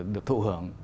được thụ hưởng